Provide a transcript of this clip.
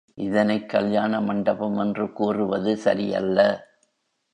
இதனைக்கல்யாண மண்டபம் என்று கூறுவது சரியல்ல.